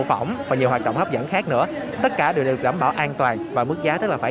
phẩm và nhiều hoạt động hấp dẫn khác nữa tất cả đều được đảm bảo an toàn và mức giá rất là phải